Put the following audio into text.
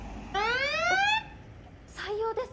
えっ採用ですか！？